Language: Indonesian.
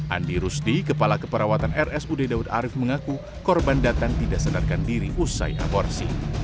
andi rusti kepala keperawatan rs ud dawud arif mengaku korban datang tidak sadarkan diri usai aborsi